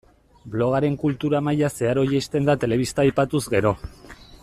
Blogaren kultura maila zeharo jaisten da telebista aipatuz gero.